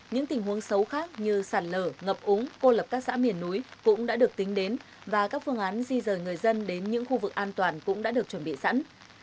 những tình huống xấu khác như sạt lở ngập úng cô lập các xã miền núi cũng đã được tính đến và các phương án di rời người dân đến những khu vực an toàn cũng đã được chuẩn bị sẵn